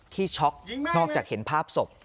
ช็อกนอกจากเห็นภาพศพ